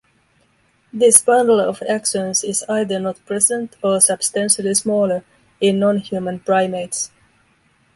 This bundle of axons is either not present or substantially smaller in nonhuman primates.